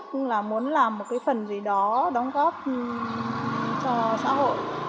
cũng là muốn làm một cái phần gì đó đóng góp cho xã hội